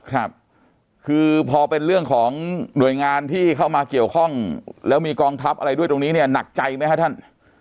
ครับคือพอเป็นเรื่องของหน่วยงานที่เข้ามาเกี่ยวข้องแล้วมีกองทัพอะไรด้วยตรงนี้เนี่ยหนักใจไหมครับท่าน